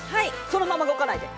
そのまま動かないで！